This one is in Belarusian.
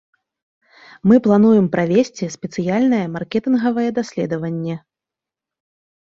Мы плануем правесці спецыяльнае маркетынгавае даследаванне.